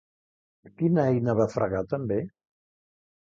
Quina eina va fregar també?